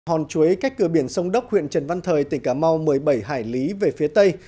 hòn chuối cách cửa biển sông đốc huyện trần văn thời tỉnh cà mau một mươi bảy hải lý về phía tây